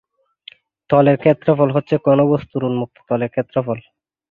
তলের ক্ষেত্রফল হচ্ছে কোন বস্তুর উম্মুক্ত তলের ক্ষেত্রফল।